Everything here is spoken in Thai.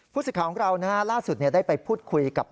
สิทธิ์ของเราล่าสุดได้ไปพูดคุยกับ